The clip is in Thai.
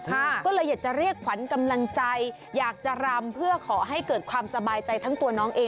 ก็เลยอยากจะเรียกขวัญกำลังใจอยากจะรำเพื่อขอให้เกิดความสบายใจทั้งตัวน้องเอง